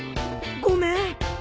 ごめん。